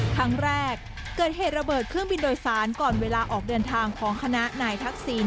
ครั้งแรกเกิดเหตุระเบิดเครื่องบินโดยสารก่อนเวลาออกเดินทางของคณะนายทักษิณ